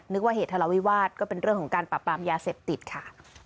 ว่าเหตุทะเลาวิวาสก็เป็นเรื่องของการปรับปรามยาเสพติดค่ะ